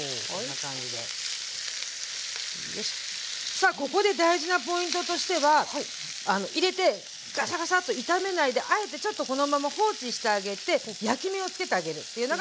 さあここで大事なポイントとしては入れてガシャガシャッと炒めないであえてちょっとこのまま放置してあげて焼き目をつけてあげるっていうのがポイントです。